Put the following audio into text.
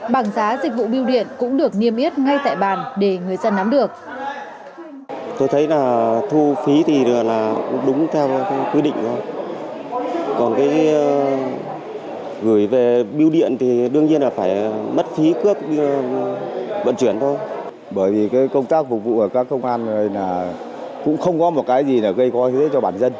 bằng giá dịch vụ biêu điện cũng được niêm yết ngay tại bàn để người dân nắm được